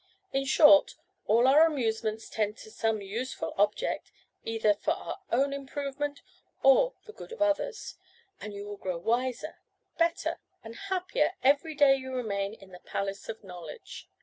In short, all our amusements tend to some useful object, either for our own improvement or the good of others, and you will grow wiser, better, and happier every day you remain in the palace of Knowledge."